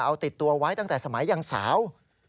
เอาติดตัวไว้ตั้งแต่สมัยยังสาว